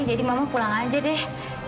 jadi mama pulang aja deh